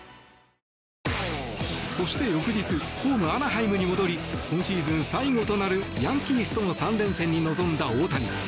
そして翌日、ホームアナハイムに戻り今シーズン最後となるヤンキースとの３連戦に臨んだ大谷。